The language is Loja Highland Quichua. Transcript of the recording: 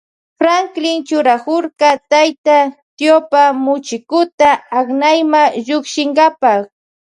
Franklin churakurka tayta tiopa muchikuta aknayma llukshinkapa.